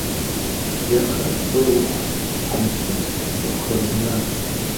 И ахърэт фӏы ухъу, тхьэмыщкӏэ, цӏыху хъарзынащ.